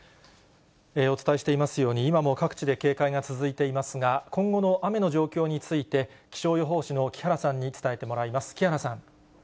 お伝えしていますように、今も各地で警戒が続いていますが、今後の雨の状況について、気象予報士の木原さんに伝えてもらいます。